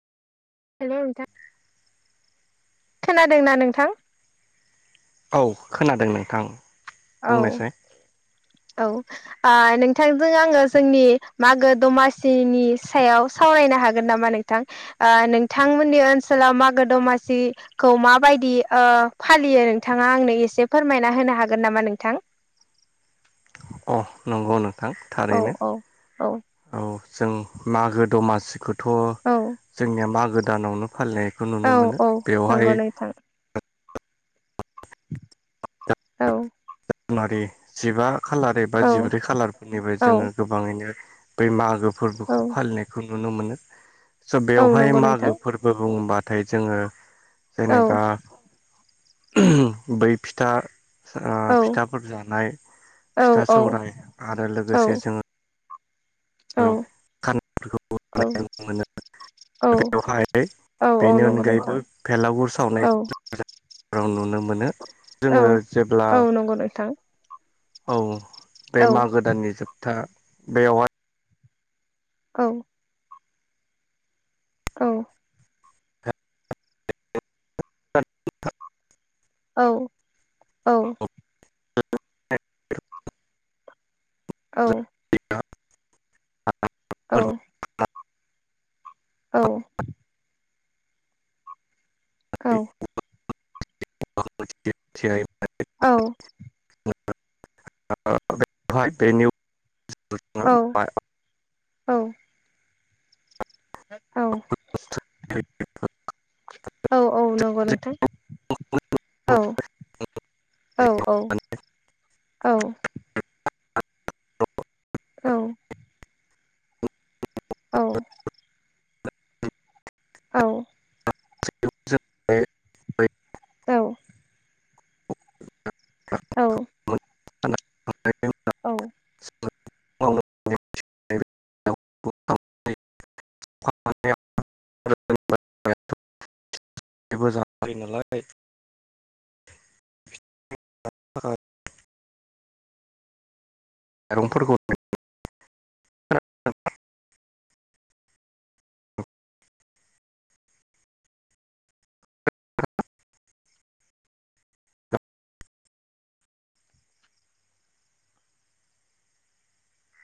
हेल' नोंथां। खोनादों ना नोंथां? औ खोनादों नोंथां औ बुंनायसाय। औ ओ नोंथांजों आंङो जोंनि मागो दमासिनि सायाव सावरायनो हागोन नामा नोंथां? ओ नोंथांमोननि ओनसोलाव मागो दमासि खौ माबायदि ओ फालियो नोंथाङा आंनो एसे फोरमायना होनो हागोन नामा नोंथां? अ नंगौ नोंथां औ थारैनो औ औ जों मागो दमासिखौथ' औ जोंनिया मागो दानावनो फालिनाय औ औ नंगौ नोंथां। औ। [unintelligible] जिबा खालार एबा औ जिब्रै खालारफोरनिबो औ जोङो गोबाङैनो बै मागो औ फोरबोखौ फालिनायखौ नुनो मोनो स' औ बेवहाय नंगौ नोंथां मागो फोरबो बुङोबाथाय जोङो औ जेनेबा ओम बै फिथा ओ औ फिथाफोर जानाय औ फिथा औ सौराय आरो औ लोगोसे जोङो औ [inaudible] औ बेवहाय औ औ बेनि नंगौ नोंथां अनगायैबो भेलागुर सावनाय औ [unintelligible] नुनो मोनो औ जोङो जेब्ला औ नंगौ नोंथां औ बे औ मागो दाननि जोबथा बेयावहाय औ औ [unintelligible] औ-औ [unintelligible] औ औ [unintelligible] औ औ [unintelligible] औ बेहाय बे नि [unintelligible] औ औ-औ नंगौ नोंथां औ औ-औ-औ औ औ औ औ औ [unintelligible] औ [unintelligible] फायो नालाय [unintelligible] [unintelligible] माइरंफोरखौ